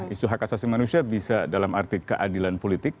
isu hak asasi manusia bisa dalam arti keadilan politik